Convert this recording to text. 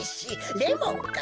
レモンか。